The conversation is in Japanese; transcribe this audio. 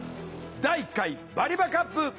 第１回バリバカップ。